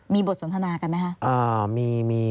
มีบทสนทนากันไหมคะ